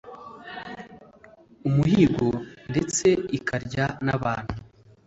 umuhigo a ndetse ikarya n abantu